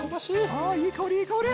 あいい香りいい香り！